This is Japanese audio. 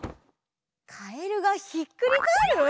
「カエルがひっくりかえる」？